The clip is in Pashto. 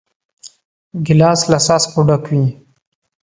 ګیلاس له څاڅکو ډک وي.